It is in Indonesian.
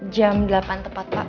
jam delapan tepat pak